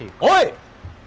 はい！